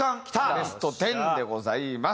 ベスト１０でございます。